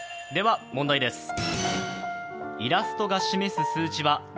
では問題です。